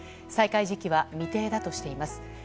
再開時期は未定だとしています。